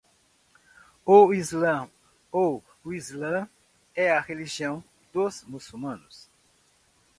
O islã ou islão é a religião dos muçulmanos